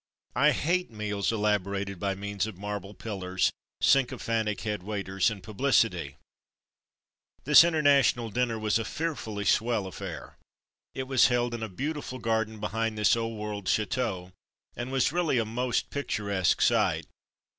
I hate meals elabo rated by means of marble pillars, sycophantic 'ou) olo y< ^^^^ waiters, Ulc^ Itatv and publicity. <^rt ?" This Interna tional dinnerwas a fearfully swell affair. It was held in a beauti ful garden behind this old world chateau, and was really a most picturesque sight.